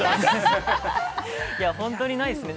本当にないですね。